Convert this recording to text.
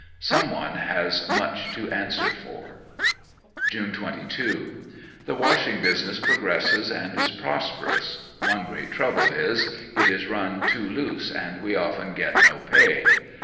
Some one has much to answer for. June 22. — The washing business progresses and is prosperous. One great trouble is, it is run too loose and we often get no pay.